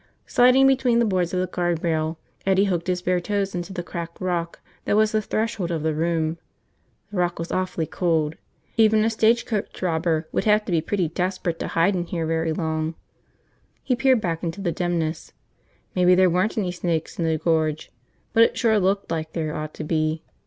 Sliding between the boards of the guard rail, Eddie hooked his bare toes into the cracked rock that was the threshold of the room. The rock was awfully cold. Even a stagecoach robber would have to be pretty desperate to hide in here very long. He peered back into the dimness. Maybe there weren't any snakes in the Gorge, but it sure looked like there ought to be.